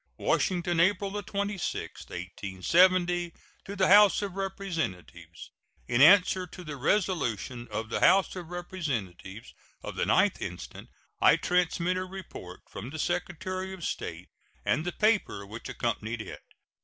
WASHINGTON, April 26, 1870. To the House of Representatives: In answer to the resolution of the House of Representatives of the 9th instant, I transmit a report from the Secretary of State and the paper which accompanied it.